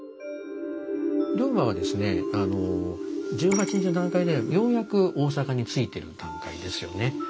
龍馬はですね１８日の段階ではようやく大坂に着いてる段階ですよね。